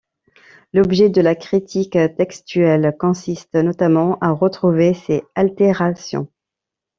L'objet de la critique textuelle consiste notamment à retrouver ces altérations.